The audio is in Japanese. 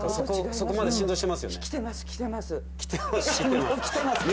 そこまで振動してますよね？